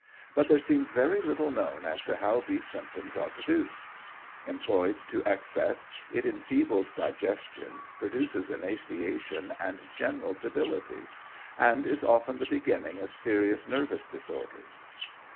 But there seems very little known as to how these symptoms are produced. Employed to excess, it enfeebles digestion, produces emaciation and general debility, and is often the beginning of serious nervous disorders.